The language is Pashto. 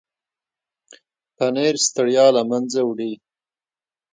پنېر د ستړیا له منځه وړي.